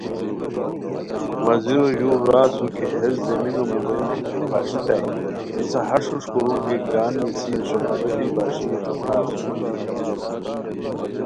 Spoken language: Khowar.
وزیرو ژور را اسور کی ہیس زمینو موڑین کی پھاݰیتائے پیسہ ہݰ ہوݰ کورور کی گان نیسر شوخولیپی باݰیر را اسور